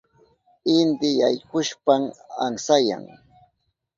Inti yaykuhushpan amsayan.